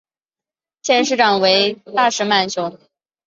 现任市长为大石满雄。